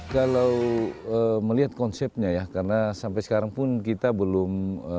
kalau melihat konsepnya ya karena sampai sekarang pun kita belum